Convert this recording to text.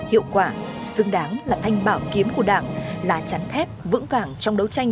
hiệu quả xứng đáng là thanh bảo kiếm của đảng là chắn thép vững vàng trong đấu tranh